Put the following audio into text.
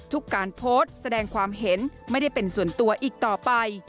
การโพสต์แสดงความเห็นไม่ได้เป็นส่วนตัวอีกต่อไป